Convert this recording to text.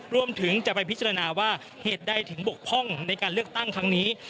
รวมถึงจะไปพิจารณาว่าเหตุใดถึงบกพร่องในการเลือกตั้งครั้งนี้